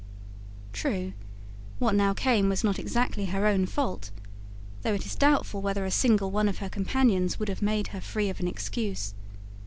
True, what now came was not exactly her own fault; though it is doubtful whether a single one of her companions would have made her free of an excuse.